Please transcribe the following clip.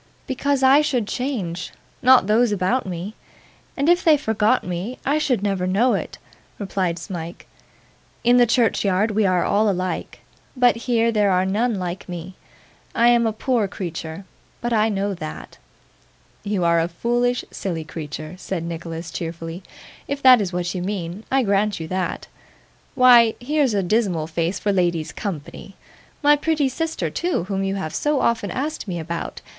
'Because I should change; not those about me. And if they forgot me, I should never know it,' replied Smike. 'In the churchyard we are all alike, but here there are none like me. I am a poor creature, but I know that.' 'You are a foolish, silly creature,' said Nicholas cheerfully. 'If that is what you mean, I grant you that. Why, here's a dismal face for ladies' company! my pretty sister too, whom you have so often asked me about.